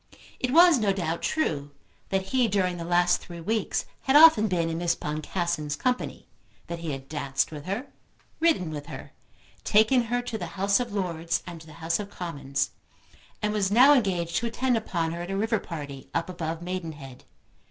It was no doubt true that he, during the last three weeks, had often been in Miss Boncassen's company, that he had danced with her, ridden with her, taken her to the House of Lords and to the House of Commons, and was now engaged to attend upon her at a river party up above Maidenhead.